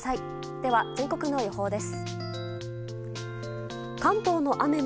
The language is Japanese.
では全国の予報です。